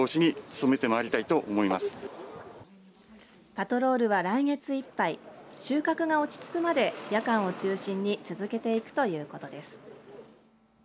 パトロールは来月いっぱい収穫が落ち着くまで夜間を中心に続けていくということです。